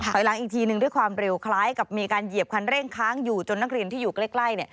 หลังอีกทีหนึ่งด้วยความเร็วคล้ายกับมีการเหยียบคันเร่งค้างอยู่จนนักเรียนที่อยู่ใกล้